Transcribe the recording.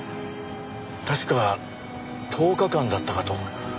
確か１０日間だったかと。